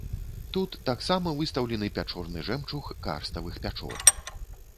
Тут таксама выстаўлены пячорны жэмчуг карставых пячор.